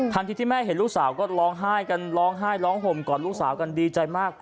ที่ที่แม่เห็นลูกสาวก็ร้องไห้กันร้องไห้ร้องห่มกอดลูกสาวกันดีใจมาก